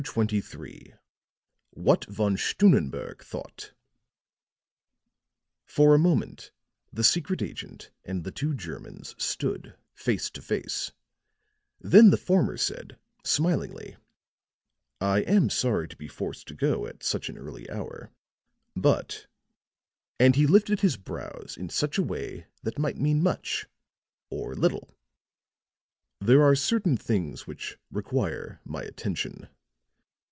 CHAPTER XXIII WHAT VON STUNNENBERG THOUGHT For a moment the secret agent and the two Germans stood face to face; then the former said, smilingly: "I am sorry to be forced to go at such an early hour; but," and he lifted his brows in such a way that might mean much or little, "there are certain things which require my attention."